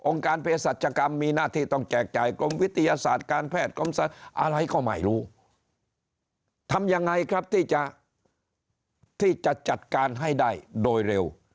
การเพศสัจกรรมมีหน้าที่ต้องแจกจ่ายกรมวิทยาศาสตร์การแพทย์กรมศาสตร์อะไรก็ไม่รู้ทำยังไงครับที่จะที่จะจัดการให้ได้โดยเร็ว